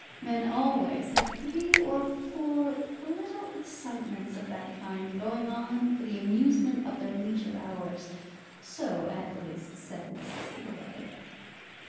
Men always have three or four little excitements of that kind going on for the amusement of their leisure hours, so, at least, said Mrs. Hittaway.